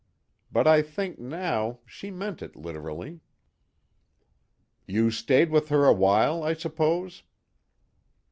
But I think now, she meant it literally." "You stayed with her a while, I suppose?"